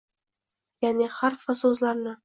ya’ni harf va so‘zlarni